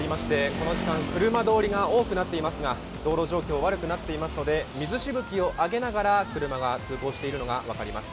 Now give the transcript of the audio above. この時間、車通りが多くなっておりますが、道路状況悪くなっておりますので、水しぶきを上げながら車が通行しているのが分かります。